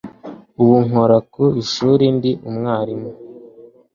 Ubu nkora ku ishuri ndi umwarimu.